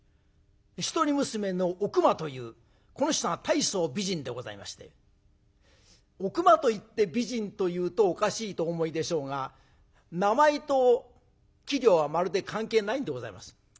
一人娘の「おくま」というこの人が大層美人でございましておくまといって美人というとおかしいとお思いでしょうが名前と器量はまるで関係ないんでございます。